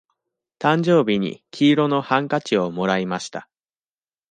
誕生日に黄色のハンカチをもらいました。